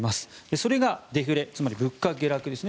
それがデフレ、つまり物価下落ですね。